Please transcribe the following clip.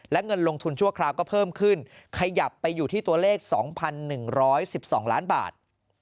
และเงินลงทุนชั่วคราวก็เพิ่มขึ้นขยับไปอยู่ที่ตัวเลข๒๑๑๒ล้านบาท